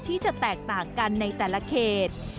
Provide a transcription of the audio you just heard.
ที่จะแตกต่างกันในแต่ละเขต